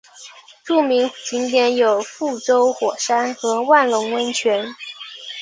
著名景点有覆舟火山和万隆温泉。